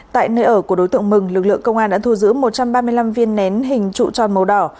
tại nơi ở của đối tượng mừng lực lượng công an đã thu giữ một trăm ba mươi năm viên nén hình trụ tròn màu đỏ